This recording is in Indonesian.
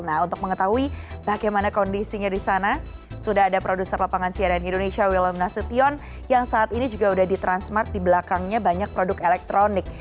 nah untuk mengetahui bagaimana kondisinya di sana sudah ada produser lapangan cnn indonesia willem nasution yang saat ini juga sudah di transmart di belakangnya banyak produk elektronik